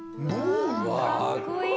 うわかっこいい。